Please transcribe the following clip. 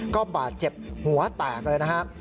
ก็บาดเจ็บหัวแตกเลยนะครับ